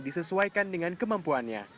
disesuaikan dengan kemampuannya